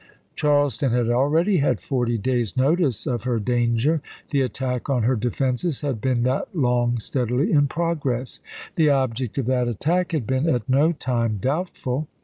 Charleston had already had forty days' notice of her danger; the attack on her defenses had been that long steadily in progress ; the object of that attack had been at no time doubtful.